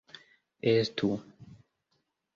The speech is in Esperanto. estu